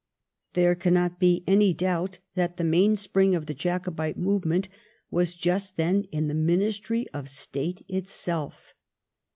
There cannot be any doubt that the main spring of the Jacobite movement was just then in the Ministry of State itself.